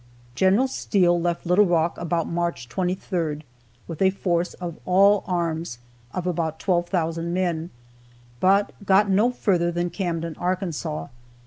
Gen. Steele left Little Rock about March 23rd, with a force, of all arms, of about 12,000 men, but got no further than Camden, Arkansas.